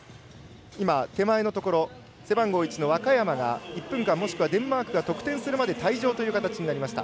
手前のところ背番号１の若山が１分間もしくはデンマークが得点するまで退場となりました。